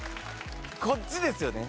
こっちですよね？